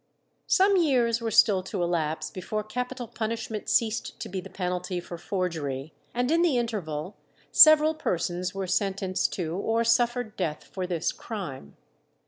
Some years were still to elapse before capital punishment ceased to be the penalty for forgery, and in the interval several persons were sentenced to or suffered death for this crime.